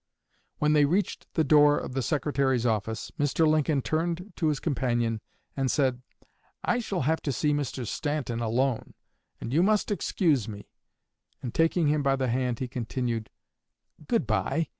When they reached the door of the Secretary's office, Mr. Lincoln turned to his companion and said, "I shall have to see Mr. Stanton alone, and you must excuse me," and taking him by the hand he continued, "Good bye.